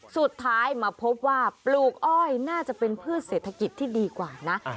สุดท้ายมาพบว่าปลูกอ้อยน่าจะเป็นพืชเศรษฐกิจที่ดีกว่านะ